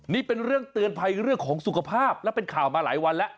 นี่เป็นเรื่องเตือนภัยเรื่องของสุขภาพและเป็นข่าวมาหลายวันแล้ว